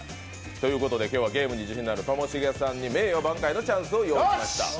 今日はゲームに自信のあるともしげさんに名誉挽回のチャンスを用意しました。